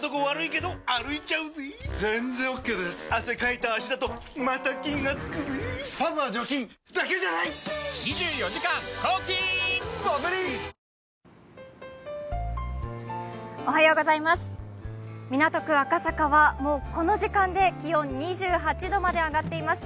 いいじゃないだって港区赤坂はもうこの時間で気温２８度まで上がっています。